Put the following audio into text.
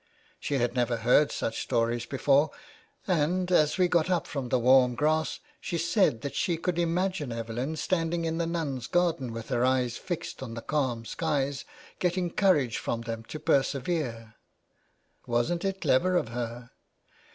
She had never heard such stories before, and, as we got up from the warm grass, she said that she could imagine Evelyn standing in the nuns' garden with her eyes fixed on the calm skies, getting courage from them to persevere. Wasn't it clever of her?